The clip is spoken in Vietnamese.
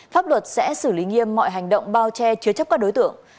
pháp luật sẽ xử lý nghiêm mọi hành động bao che chứa chấp các đối tượng